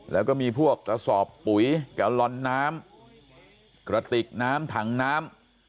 แล้วก็มีพวกกระสอบปุ๋ยกัลลอนน้ำกระติกน้ำถังน้ำ